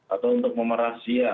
atau untuk memerah sia